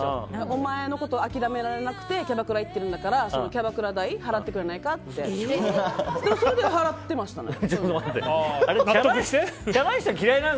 お前のこと諦められなくてキャバクラ行っているんだからキャバクラ代を払ってくれないかみたいな。